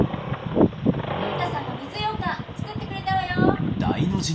文太さんが水ようかん作ってくれたわよ！